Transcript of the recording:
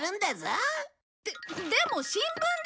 ででも新聞で！